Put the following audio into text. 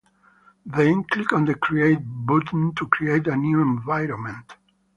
Then, click on the "Create" button to create a new environment.